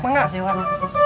enggak sih wak